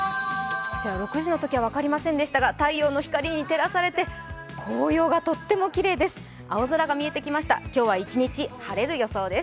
６時のときは分かりませんでしたが、太陽の光に照らされて紅葉がとってもきれいです。